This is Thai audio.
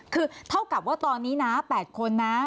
คือเท่ากับว่าตอนนี้นะ๘คนนะ